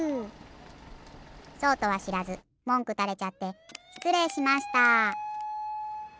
そうとはしらずもんくたれちゃってしつれいしました。